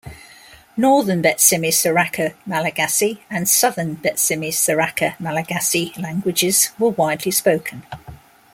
Northern Betsimisaraka Malagasy and Southern Betsimisaraka Malagasy languages were widely spoken.